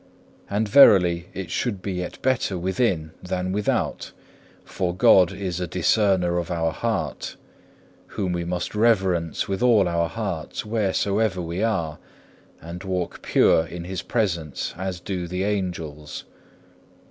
And verily it should be yet better within than without, for God is a discerner of our heart, Whom we must reverence with all our hearts wheresoever we are, and walk pure in His presence as do the angels.